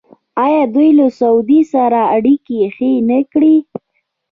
آیا دوی له سعودي سره اړیکې ښې نه کړې؟